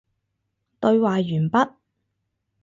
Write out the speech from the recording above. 對話完畢